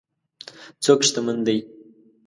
څوک شتمن دی.